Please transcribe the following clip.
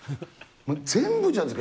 全部じゃないですか。